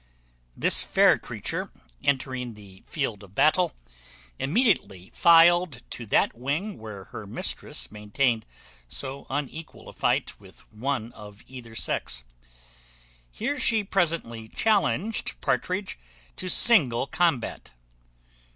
This fair creature entering the field of battle, immediately filed to that wing where her mistress maintained so unequal a fight with one of either sex. Here she presently challenged Partridge to single combat.